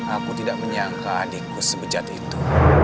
aku tidak menyangka adikku sebejat itu